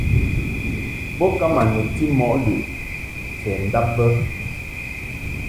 Bo ka ma nebti mɔ lɨʼ kɛ ndab bə.